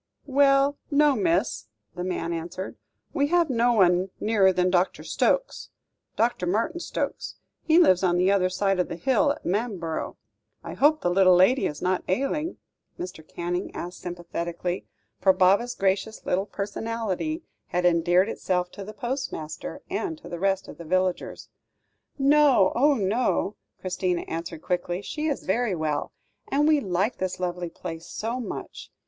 "Well, no, miss," the man answered; "we have no one nearer than Dr. Stokes Dr. Martin Stokes. He lives on the other side of the hill at Manborough. I hope the little lady is not ailing?" Mr. Canning asked sympathetically, for Baba's gracious little personality had endeared itself to the postmaster, and to the rest of the villagers. "No; oh, no!" Christina answered quickly; "she is very well, and we like this lovely place so much.